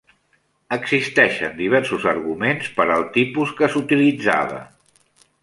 Existeixen diversos arguments per al tipus que s'utilitzava.